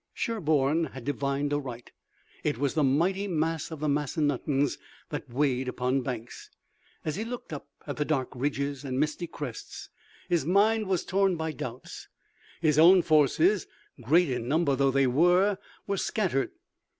Sherburne had divined aright. It was the mighty mass of the Massanuttons that weighed upon Banks. As he looked up at the dark ridges and misty crests his mind was torn by doubts. His own forces, great in number though they were, were scattered.